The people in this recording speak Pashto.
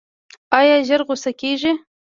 ایا ژر غوسه کیږئ؟